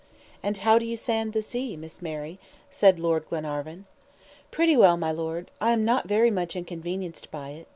"And how do you stand the sea, Miss Mary?" said Lord Glenarvan. "Pretty well, my Lord. I am not very much inconvenienced by it.